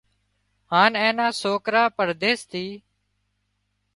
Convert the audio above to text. زار اين نا سوڪرا پرديس ٿي